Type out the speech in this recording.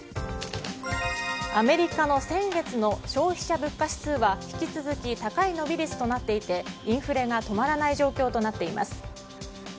アメリカの先月の消費者物価指数は引き続き高い伸び率となっていてインフレが止まらない状況となっています。